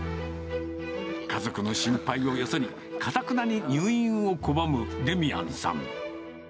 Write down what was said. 家族の心配をよそに、かたくなに入院を拒むデミアンさん。